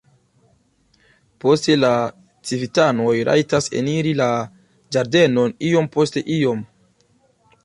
Poste la civitanoj rajtas eniri la ĝardenon iom post iom.